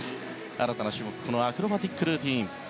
新たな種目アクロバティックルーティン